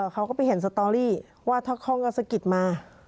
เขาก็ไปเห็นสตอรี่ว่าถ้าคล่องก็สะกิดมา